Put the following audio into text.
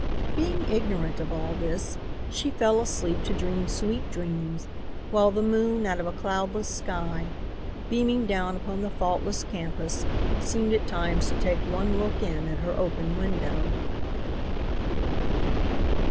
Being ignorant of all this, she fell asleep to dream sweet dreams while the moon out of a cloudless sky, beaming down upon the faultless campus, seemed at times to take one look in at her open window.